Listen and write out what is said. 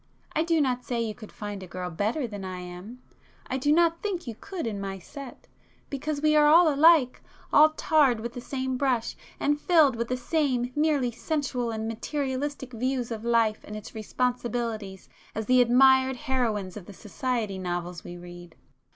I do not say you could find a girl better than I am; I do not think you could in my 'set,' because we are all alike,—all tarred with the same brush, and filled with the same merely sensual and materialistic views of life and its responsibilities as the admired heroines of the 'society' novels we read.